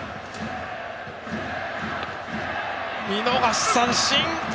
見逃し三振。